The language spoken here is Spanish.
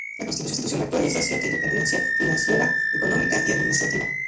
La Constitución actual les da cierta independencia financiera, económica, y administrativa.